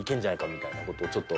みたいな事をちょっと。